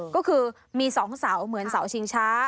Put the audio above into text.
ก็คือมี๒เสาเหมือนเสาชิงช้า